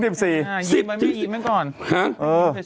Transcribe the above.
ยิบไว้ยิบไว้ก่อน